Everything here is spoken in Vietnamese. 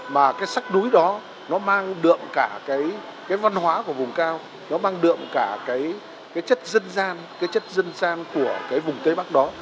mà cái sắc núi đó nó mang đượm cả cái văn hóa của vùng cao nó mang đượm cả cái chất dân gian cái chất dân gian của cái vùng tây bắc đó